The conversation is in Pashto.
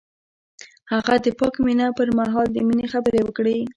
هغه د پاک مینه پر مهال د مینې خبرې وکړې.